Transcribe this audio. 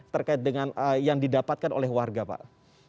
terkait dengan yang didapatkan oleh warga pak